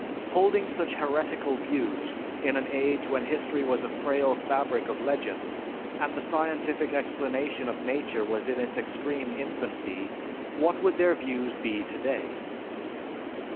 Holding such heretical views in an age when history was a frail fabric of legends, and the scientific explanation of nature in its extreme infancy, what would their views be today?